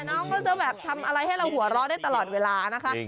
น้องเขาจะแบบทำอะไรให้เราหัวเราะได้ตลอดเวลานะคะ